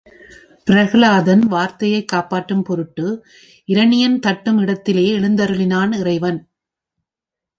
பிரகலாதன் வார்த்தையைக் காப்பாற்றும் பொருட்டு இரணியன் தட்டும் இடத்திலே எழுந்தருளினான் இறைவன்.